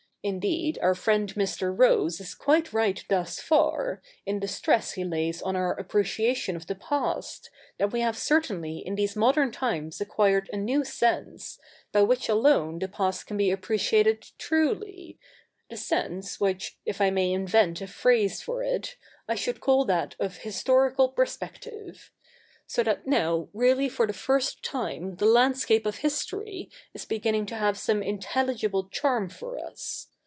Indeed, our friend Mr. Rose is quite right thus far, in the stress he lays on our appreciation of the past, that we have certainly in these modern times acquired a new sense, by which alone the past can be CH. i] THE NEW REPUBLIC 199 appreciated truly, the sense which, if I may invent a phrase for it, I should call that of Historical Perspective ; so that now really for the first time the landscape of history' is beginning to have some intelligible charm for us.